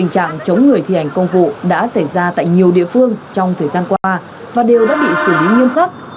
các lực lượng đã bị xử lý nghiêm khắc